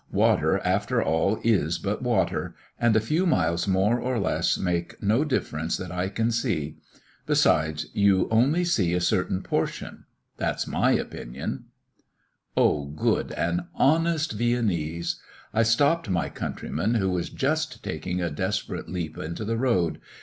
Water, after all, is but water; and a few miles, more or less, make no difference that I can see. Besides, you only see a certain portion. That's my opinion." O good and honest Viennese! I stopped my countryman, who was just taking a desperate leap into the road.